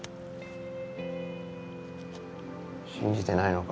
信じてないのか？